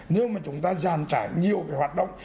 nếu mà chúng ta giàn trải nhiều cái hoạt động